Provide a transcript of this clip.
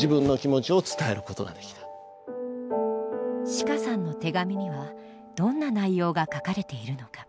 シカさんの手紙にはどんな内容が書かれているのか？